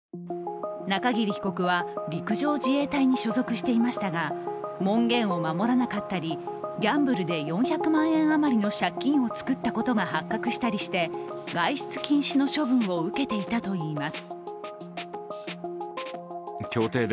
中桐被告は、陸上自衛隊に所属していましたが、門限を守らなかったりギャンブルで４００万円余りの借金を作ったことが発覚したりして、外出禁止の処分を受けていたといいます。